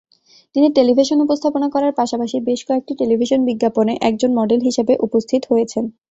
তিনি টেলিভিশন উপস্থাপনা করার পাশাপাশি বেশ কয়েকটি টেলিভিশন বিজ্ঞাপনে একজন মডেল হিসেবে উপস্থিত হয়েছেন।